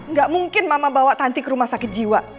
nggak mungkin mama bawa tanti ke rumah sakit jiwa